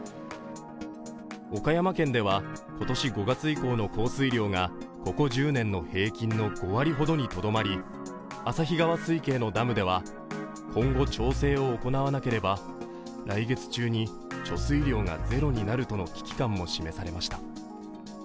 岡山県では今年５月以降の降水量がここ１０年の平均の５割ほどにとどまり旭川水系のダムでは、今後調整を行わなければ来月中に、貯水量がゼロになるとの危機感も示されました。